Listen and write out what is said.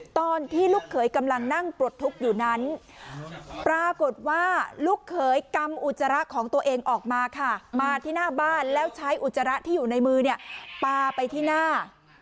ที่อยู่ในมือปาไปที่หน้า